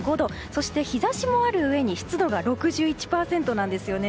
そして日差しもあるうえに湿度が６１％なんですよね。